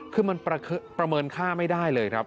คือมันประเมินค่าไม่ได้เลยครับ